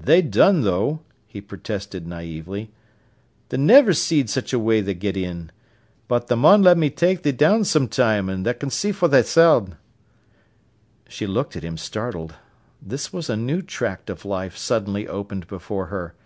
"They dun though!" he protested naïvely. "Tha niver seed such a way they get in. But tha mun let me ta'e thee down some time, an' tha can see for thysen." She looked at him, startled. This was a new tract of life suddenly opened before her.